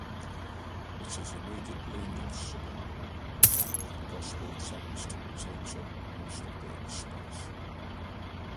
It is immediately noticeable that the Gospel text takes up most of the space.